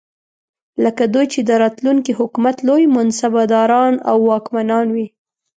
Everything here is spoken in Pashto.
لکه دوی چې د راتلونکي حکومت لوی منصبداران او واکمنان وي.